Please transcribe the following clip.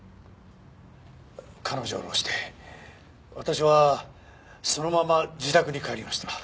彼女を降ろして私はそのまま自宅に帰りました。